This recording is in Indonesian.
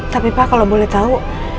tapi pak kalau boleh tahu